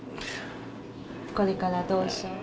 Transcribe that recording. これからどうしよう？